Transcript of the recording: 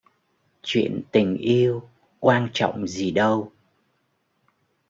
Chuyện tình yêu, quan trọng gì đâu: